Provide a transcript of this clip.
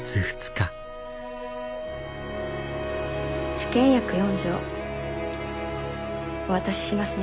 治験薬４錠お渡ししますね。